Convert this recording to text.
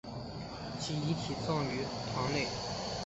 其遗体葬于堂内。